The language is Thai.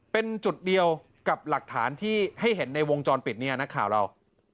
เป็นจุดเดียวกับหลักฐานที่ให้เห็นในวงจรปิดเนี่ยนักข่าวเรา